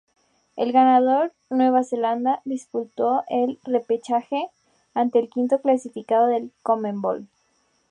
El ganador, Nueva Zelanda, disputó el repechaje ante el quinto clasificado de la Conmebol.